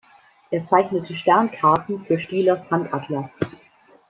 Er zeichnete Sternkarten für Stielers Handatlas.